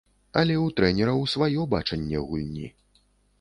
Але ў трэнераў сваё бачанне гульні.